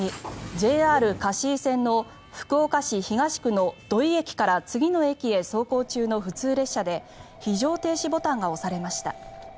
ＪＲ香椎線の福岡市東区の土井駅から次の駅へ走行中の普通列車で非常停止ボタンが押されました。